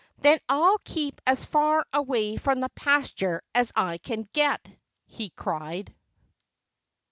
"Then I'll keep as far away from the pasture as I can get!" he cried.